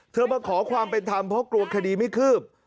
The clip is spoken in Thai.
มาขอความเป็นธรรมเพราะกลัวคดีไม่คืบ